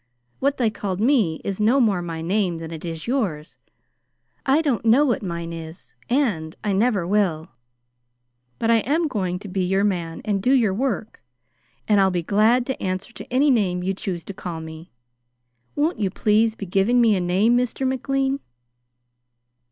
What they called me is no more my name than it is yours. I don't know what mine is, and I never will; but I am going to be your man and do your work, and I'll be glad to answer to any name you choose to call me. Won't you please be giving me a name, Mr. McLean?"